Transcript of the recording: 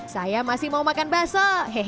saya masih mau makan basah